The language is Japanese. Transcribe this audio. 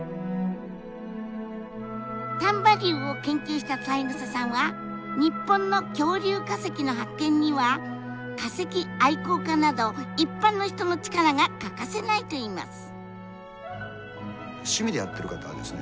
丹波竜を研究した三枝さんは日本の恐竜化石の発見には化石愛好家など一般の人の力が欠かせないといいます。